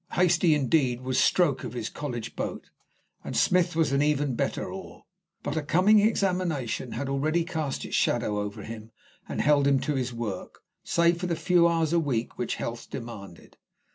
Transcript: Hastie, indeed, was stroke of his college boat, and Smith was an even better oar, but a coming examination had already cast its shadow over him and held him to his work, save for the few hours a week which health demanded.